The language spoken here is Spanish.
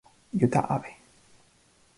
Yuta Abe